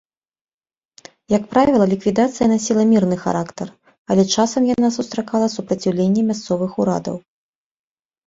Як правіла, ліквідацыя насіла мірны характар, але часам яна сустракала супраціўленне мясцовых урадаў.